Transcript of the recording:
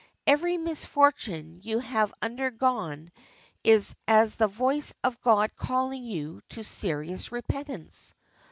Every misfortune you have undergone is as the voice of God calling you to serious repentance.